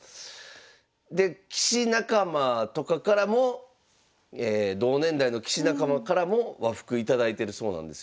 で棋士仲間とかからも同年代の棋士仲間からも和服頂いてるそうなんですよ。